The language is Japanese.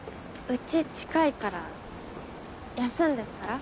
うち近いから休んでったら？